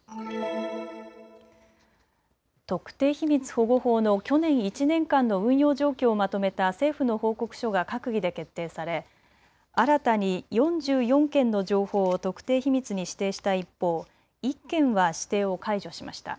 特定秘密保護法の去年１年間の運用状況をまとめた政府の報告書が閣議で決定され新たに４４件の情報を特定秘密に指定した一方、１件は指定を解除しました。